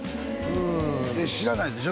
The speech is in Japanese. うん知らないでしょ？